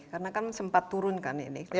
karena kan sempat turunkan ini